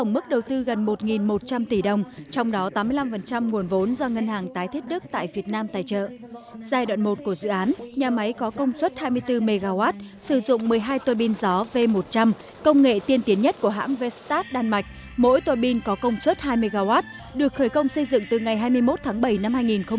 mỗi tòa pin có công suất hai mươi mw được khởi công xây dựng từ ngày hai mươi một tháng bảy năm hai nghìn một mươi năm